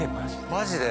マジで？